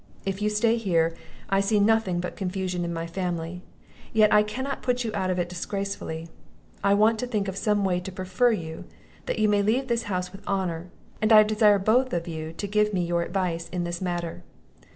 If you stay here, I see nothing but confusion in my family; yet I cannot put you out of it disgracefully. I want to think of some way to prefer you, that you may leave this house with honour; and I desire both of you to give me your advice in this matter.